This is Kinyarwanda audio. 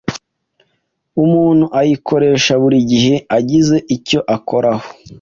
umuntu ayikoresha buri gihe agize icyo akoraho